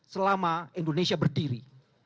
selama indonesia berdiri